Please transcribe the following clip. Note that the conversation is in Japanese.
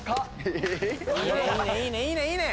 いいねいいねいいねいいねいいね！